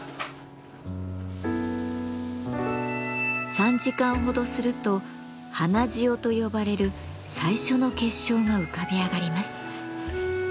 ３時間ほどすると花塩と呼ばれる最初の結晶が浮かび上がります。